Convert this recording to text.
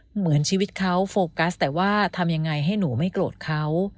เหมือนชีวิตเขาโฟกัสแต่ว่าทำยังไงให้หนูไม่โกรธเขา